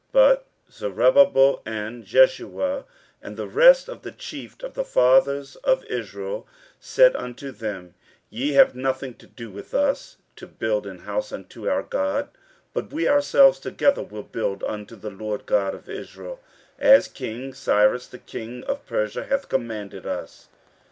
15:004:003 But Zerubbabel, and Jeshua, and the rest of the chief of the fathers of Israel, said unto them, Ye have nothing to do with us to build an house unto our God; but we ourselves together will build unto the LORD God of Israel, as king Cyrus the king of Persia hath commanded us.